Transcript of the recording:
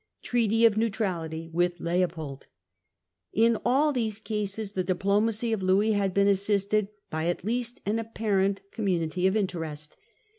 Treaty of Neutrality with Leopold. In all these cases the diplomacy of Louis had been assisted by at least an apparent community of interest.